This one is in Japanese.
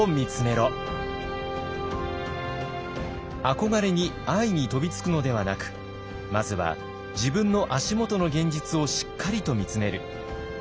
憧れに安易に飛びつくのではなくまずは自分の足元の現実をしっかりと見つめる。